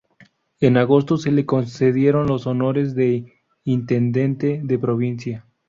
En agosto se le concedieron los honores de intendente de provincia.